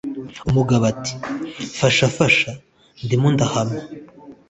umugabo ati: 'fasha, fasha.' 'ndimo ndohama.'